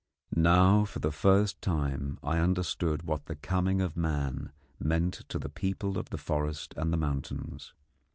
Now for the first time I understood what the coming of man meant to the people of the forest and the mountains.